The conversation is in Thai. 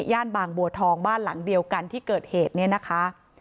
บางบัวทองบ้านหลังเดียวกันที่เกิดเหตุเนี่ยนะคะ